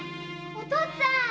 お父っつぁん！